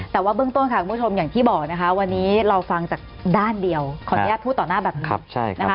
แต่ว่าเบื้องต้นค่ะคุณผู้ชมอย่างที่บอกนะคะวันนี้เราฟังจากด้านเดียวขออนุญาตพูดต่อหน้าแบบนี้นะคะ